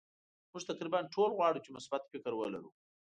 مونږ تقریبا ټول غواړو چې مثبت فکر ولرو.